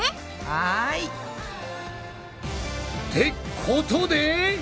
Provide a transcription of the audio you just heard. はい！ってことで！